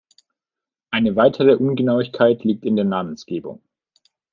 Eine weitere Ungenauigkeit liegt in der Namensgebung.